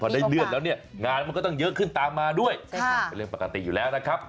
พอได้เลือกแล้วเนี่ยงานมันก็ต้องเยอะขึ้นตามมาด้วยใช่ค่ะเป็นเรื่องปกติอยู่แล้วนะครับ